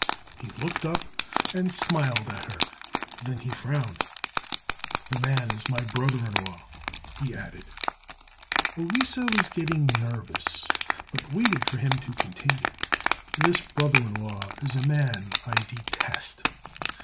He looked up and smiled at her; then he frowned. "The man is my brother in law," he added. Orissa was getting nervous, but waited for him to continue. "This brother in law is a man I detest.